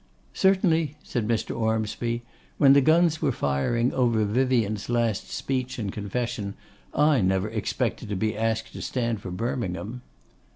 'Certainly,' said Mr. Ormsby, 'when the guns were firing over Vyvyan's last speech and confession, I never expected to be asked to stand for Birmingham.